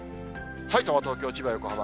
さいたま、東京、千葉、横浜。